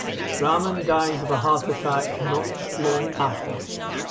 Ramon dies of a heart attack not long after.